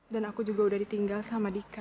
dan aku juga udah ditinggal sama dika